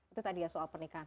itu tadi ya soal pernikahan